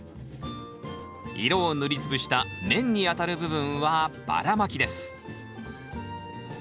色を塗りつぶした面に当たる部分はばらまきです。